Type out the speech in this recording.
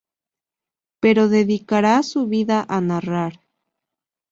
Pero dedicará su vida a narrar.